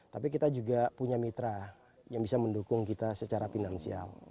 tapi kita juga punya mitra yang bisa mendukung kita secara finansial